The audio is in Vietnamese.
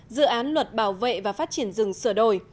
dự án luật bảo vệ và phát triển rừng sửa đổi